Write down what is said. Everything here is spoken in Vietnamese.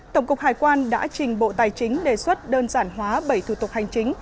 tổng cục hải quan đã trình bộ tài chính đề xuất đơn giản hóa bảy thủ tục hành chính